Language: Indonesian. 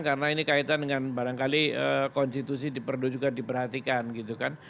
karena ini kaitan dengan barangkali konstitusi diperlu juga diperhatikan